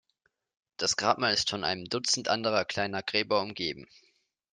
Das Grabmal ist von einem Dutzend anderer, kleiner Gräber umgeben.